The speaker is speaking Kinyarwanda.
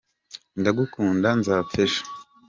Ndagukunda nzapfa ejo!